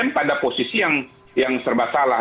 mas dem pada posisi yang serba salah